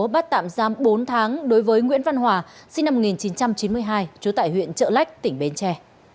bắt tạm giam bốn tháng đối với nguyễn văn hòa sinh năm một nghìn chín trăm chín mươi hai trú tại huyện trợ lách tỉnh bến tre